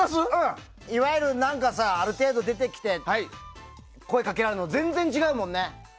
いわゆる、ある程度出てきて声掛けられるのと全然違うもんね。